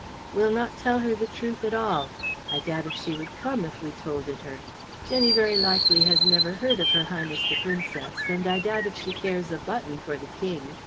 "We'll not tell her the truth at all. I doubt if she would come if we told it her. Jenny very likely has never heard of her Highness the Princess, and I doubt if she cares a button for the King.